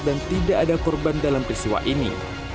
dan tidak ada korban dalam peristiwa ini